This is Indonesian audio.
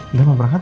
udah mau berangkat